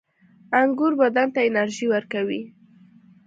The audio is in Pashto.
• انګور بدن ته انرژي ورکوي.